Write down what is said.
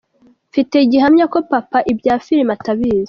"Mfite gihamya ko Papa ibya filime atabizi.